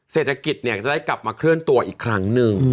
เศรษฐกิจจะได้กลับมาเคลื่อนตัวอีกครั้งหนึ่ง